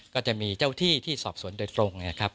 ก็จะมีเจ้าที่ที่สอบสวนโดยตรงนะครับ